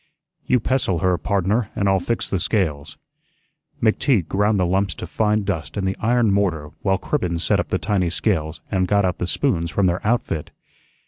"You pestle her, pardner, an' I'll fix the scales." McTeague ground the lumps to fine dust in the iron mortar while Cribbens set up the tiny scales and got out the "spoons" from their outfit.